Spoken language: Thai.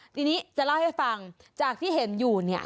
ทีนี้จะเล่าให้ฟังจากที่เห็นอยู่เนี่ย